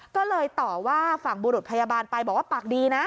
ก็เลยต่อว่าฝั่งบุรุษพยาบาลไปบอกว่าปากดีนะ